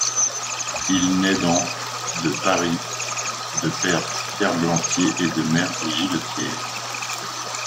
Il naît dans le de Paris de père ferblantier et de mère giletière.